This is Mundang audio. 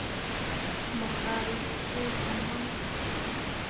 Mo haa yee fĩĩ joŋ mo ne ?